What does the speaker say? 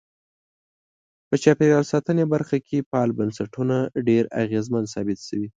په چاپیریال ساتنې په برخه کې فعال بنسټونه ډیر اغیزمن ثابت شوي.